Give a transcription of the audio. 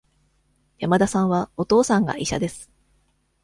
山田さんは、お父さんが医者です。